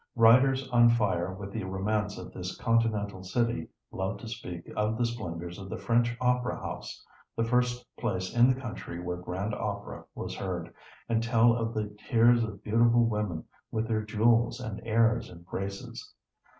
Writers on fire with the romance of this continental city love to speak of the splendors of the French Opera House, the first place in the country where grand opera was heard, and tell of the tiers of beautiful women with their jewels and airs and graces.